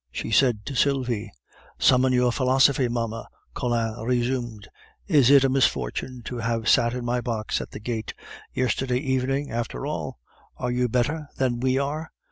she said to Sylvie. "Summon your philosophy, mamma," Collin resumed. "Is it a misfortune to have sat in my box at the Gaite yesterday evening? After all, are you better than we are?